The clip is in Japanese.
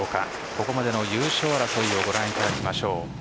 ここまでの優勝争いをご覧いただきましょう。